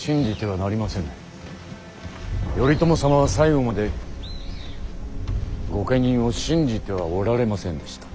頼朝様は最後まで御家人を信じてはおられませんでした。